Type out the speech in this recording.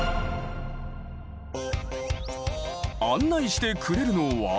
案内してくれるのは。